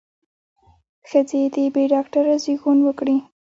ښځې دې بې ډاکتره زېږون وکړي.